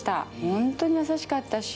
本当に優しかったし。